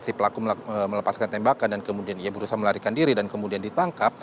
si pelaku melepaskan tembakan dan kemudian ia berusaha melarikan diri dan kemudian ditangkap